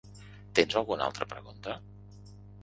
Tens alguna altra pregunta?